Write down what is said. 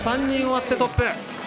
２３人終わってトップ。